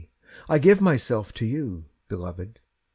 I give myself to you, Beloved!